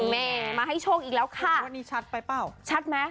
แม่มาให้โชคอีกแล้วค่ะวันนี้ชัดไปเปล่าชัดไหม